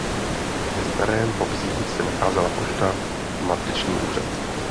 Ve Starém Hobzí se nacházela pošta a matriční úřad.